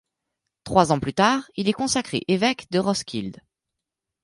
Trois ans plus tard, il est consacré évêque de Roskilde.